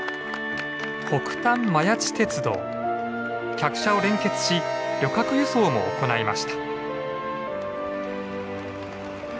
客車を連結し旅客輸送も行いました。